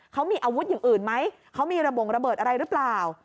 เขามีอาวุธอย่างอื่นไหมเขามีระบงระเบิดอะไรหรือเปล่า